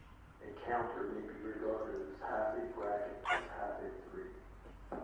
A counter may be regarded as half a bracket plus half a three.